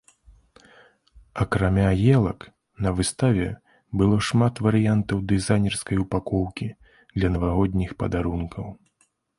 Акрамя елак, на выставе было шмат варыянтаў дызайнерскай упакоўкі для навагодніх падарункаў.